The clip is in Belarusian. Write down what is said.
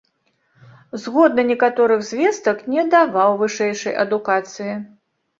Згодна некаторых звестак, не даваў вышэйшай адукацыі.